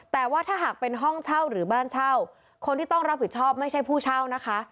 แต่ว่าถ้าหากเป็นห้องเช่าหรือบ้านเช่าคนที่ต้องรับผิดชอบไม่ใช่ผู้เช่านะคะ